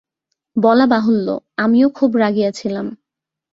বলা বাহুল্য, আমিও খুব রাগিয়াছিলাম।